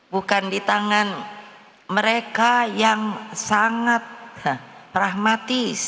bukan di tangan mereka yang sangat pragmatis